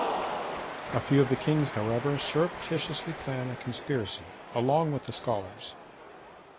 A few of the kings, however, surreptitiously plan a conspiracy along with the scholars.